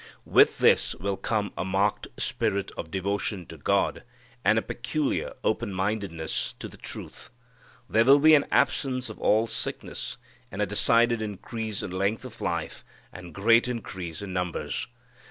With this will come a marked spirit of devotion to God, and a peculiar open mindedness to the truth. There will be an absence of all sickness and a decided increase in length of life and great increase in numbers.